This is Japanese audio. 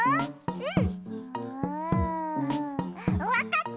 うん！